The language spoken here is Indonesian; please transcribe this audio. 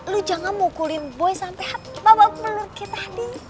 lu jangan mukulin boy sampai babak belur kayak tadi